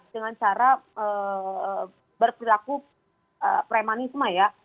dengan cara berperilaku premanisme ya